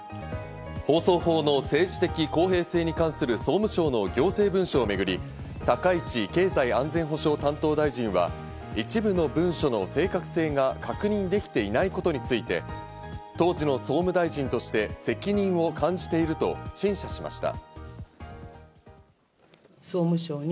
放送法の政治的公平性に関する総務省の行政文書をめぐり、高市経済安全保障担当大臣は一部の文書の正確性が確認できていないことについて、当時の総務大臣として責任を感じていると陳謝しました。